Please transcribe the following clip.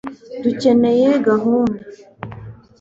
dukeneye gahunda b